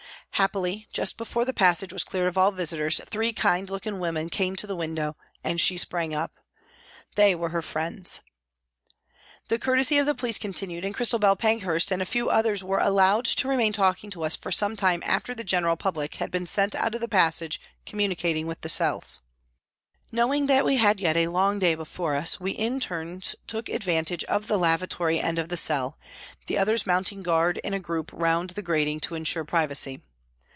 Happily, just before the passage was cleared of all visitors, three kind looking women came to the window and she sprang up. They were her friends. The courtesy of the police continued, and Christabel Pankhurst and a few others were allowed to remain talking to us for some time after the general public had been sent out of the passage communicating with the cells. Knowing that we had yet a long day before us, we in turns took advantage of the lavatory end of the cell, the others mounting guard in a group round the grating to ensure privacy.